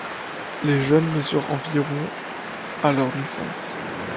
Les jeunes mesurent environ à leur naissance.